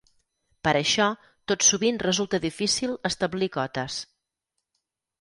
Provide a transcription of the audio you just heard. Per això, tot sovint resulta difícil establir cotes.